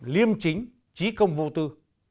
liêm chính trí công vô tư